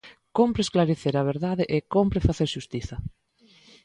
Cómpre esclarecer a verdade e cómpre facer xustiza.